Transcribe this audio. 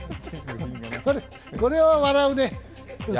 これは笑うね。